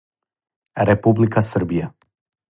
Република Србија